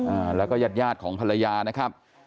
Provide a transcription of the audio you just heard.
อ่าแล้วก็ญาติญาติของภรรยานะครับ